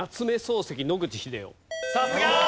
さすが！